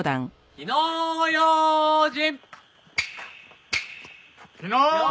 火の用心！